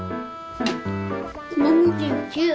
７９。